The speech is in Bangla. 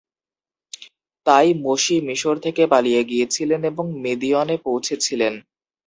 তাই, মোশি মিশর থেকে পালিয়ে গিয়েছিলেন এবং মিদিয়নে পৌঁছেছিলেন।